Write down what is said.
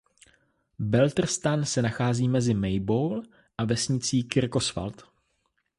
Baltersan se nachází mezi Maybole a vesnicí Kirkoswald.